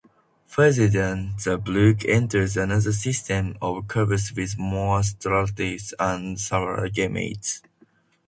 Further down, the brook enters another system of caves with more stalactites and stalagmites.